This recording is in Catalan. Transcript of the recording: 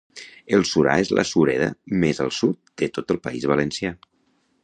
El Surar és la sureda més al sud de tot el País Valencià.